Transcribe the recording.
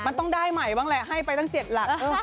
มันต้องได้ใหม่บ้างแหละให้ไปตั้ง๗หลัก